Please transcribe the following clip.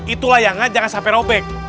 itu layangan jangan sampai robek